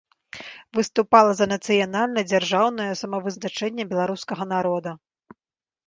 Выступала за нацыянальна-дзяржаўнае самавызначэнне беларускага народа.